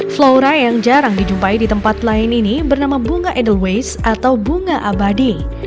flora yang jarang dijumpai di tempat lain ini bernama bunga edelweiss atau bunga abadi